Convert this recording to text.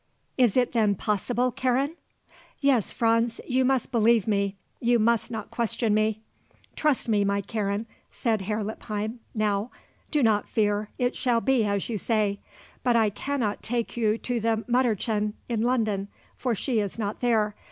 Is it then possible, Karen?" "Yes, Franz; you must believe me. You must not question me." "Trust me, my Karen," said Herr Lippheim now; "do not fear. It shall be as you say. But I cannot take you to the Mütterchen in London, for she is not there.